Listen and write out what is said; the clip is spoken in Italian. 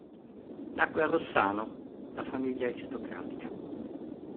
Nacque a Rossano da famiglia aristocratica.